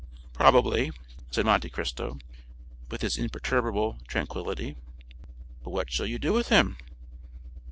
"Probably," said Monte Cristo with his imperturbable tranquillity. "But what shall you do with him?"